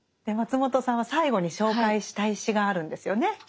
で松本さんは最後に紹介したい詩があるんですよね。